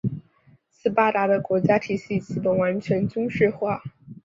斯巴达的国家体系基本上已完全军事化。